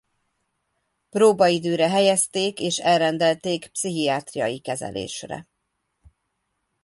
Próbaidőre helyezték és elrendelték pszichiátriai kezelésre.